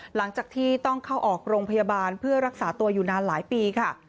หลังจากที่ต้องเข้าออกโรงพยาบาลเพื่อรักษาตัวอยู่นานหลายปีค่ะ